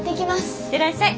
行ってらっしゃい。